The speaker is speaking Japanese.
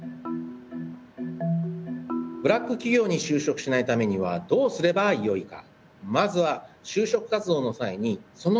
ブラック企業に就職しないためにはどうすればよいか？